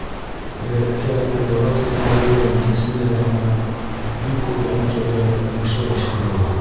Үҙәктә юғары технологиялы медицина ярҙамының бик күп яңы төрҙәре уңышлы башҡарыла.